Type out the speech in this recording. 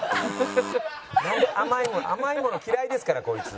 甘いもの嫌いですからこいつ。